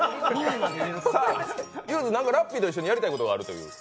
何かラッピーと一緒にやりたいことがあると？